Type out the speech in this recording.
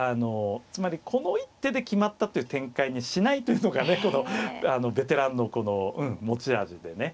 つまりこの一手で決まったという展開にしないというのがねベテランのこの持ち味でね。